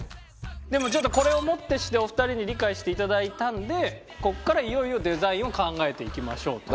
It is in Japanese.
でもちょっとこれをもってしてお二人に理解していただいたんでここからいよいよデザインを考えていきましょう。